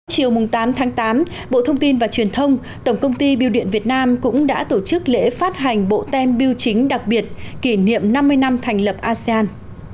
chiều tám tháng tám bộ thông tin và truyền thông tổng công ty biêu điện việt nam cũng đã tổ chức lễ phát hành bộ tem biêu chính đặc biệt kỷ niệm năm mươi năm thành lập asean